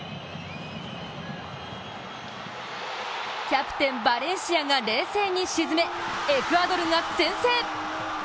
キャプテン、バレンシアが冷静に沈めエクアドルが先制！